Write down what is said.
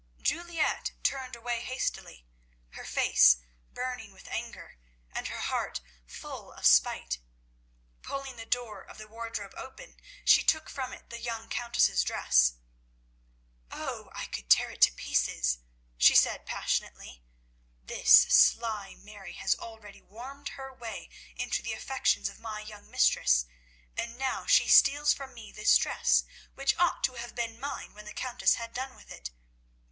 Juliette turned away hastily, her face burning with anger, and her heart full of spite. Pulling the door of the wardrobe open, she took from it the young Countess's dress. "Oh, I could tear it to pieces," she said passionately. "This sly Mary has already wormed her way into the affections of my young mistress, and now she steals from me this dress which ought to have been mine when the Countess had done with it.